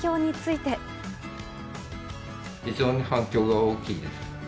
非常に反響が大きいです。